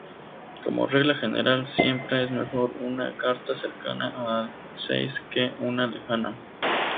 Como regla general, siempre es mejor una carta cercana al seis que una lejana.